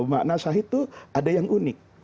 makna syahid itu ada yang unik